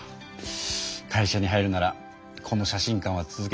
会社に入るならこの写真館は続けていけないしね。